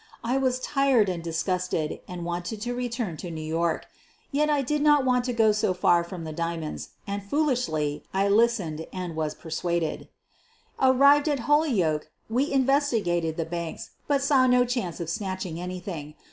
I was tired and disgusted and wanted to return to New York. Yet I did not want to go so far from the diamonds, and, foolishly, I listened and was persuaded. Arrived at Holyoke we investigated the banks, but saw no chance of snatching anything.